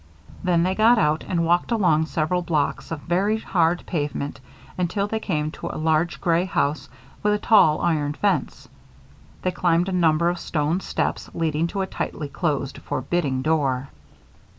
Then they got out and walked along several blocks of very hard pavement, until they came to a large gray house with a tall iron fence. They climbed a number of stone steps leading to a tightly closed, forbidding door.